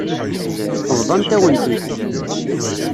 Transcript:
Bḍant-awen-t-id.